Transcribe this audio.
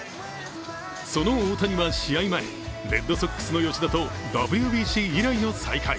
その大谷は試合前、レッドソックスの吉田とＷＢＣ以来の再会。